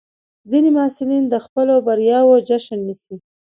ځینې محصلین د خپلو بریاوو جشن نیسي.